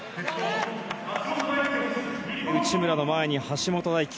内村の前に橋本大輝。